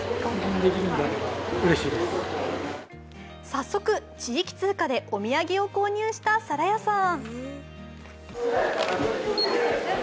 早速、地域通貨でお土産を購入した皿屋さん。